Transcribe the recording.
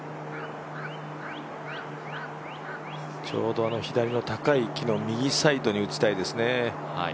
ちょうど左の高い木の右サイドに打ちたいですね。